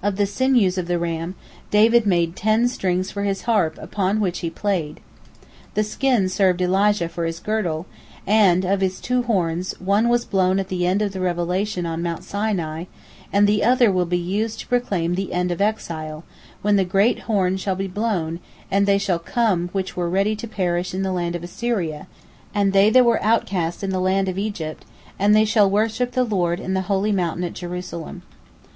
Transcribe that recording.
Of the sinews of the ram, David made ten strings for his harp upon which he played. The skin served Elijah for his girdle, and of his two horns, the one was blown at the end of the revelation on Mount Sinai, and the other will be used to proclaim the end of the Exile, when the "great horn shall be blown, and they shall come which were ready to perish in the land of Assyria, and they that were outcasts in the land of Egypt, and they shall worship the Lord in the holy mountain at Jerusalem."